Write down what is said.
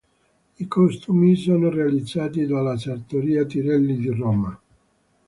I costumi sono realizzati dalla Sartoria Tirelli di Roma.